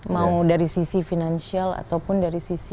mau dari sisi finansial ataupun dari sisi